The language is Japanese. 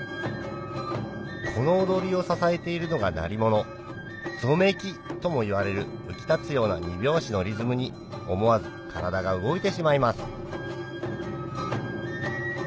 この踊りを支えているのが「ぞめき」ともいわれる浮き立つような２拍子のリズムに思わず体が動いてしまいます